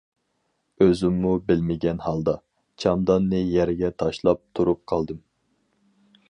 ئۆزۈممۇ بىلمىگەن ھالدا، چاماداننى يەرگە تاشلاپ تۇرۇپ قالدىم.